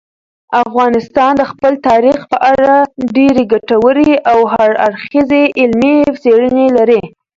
افغانستان د خپل تاریخ په اړه ډېرې ګټورې او هر اړخیزې علمي څېړنې لري.